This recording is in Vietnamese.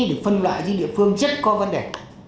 để phân loại với địa phương chất có vấn đề